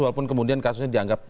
walaupun kemudian kasusnya dianggap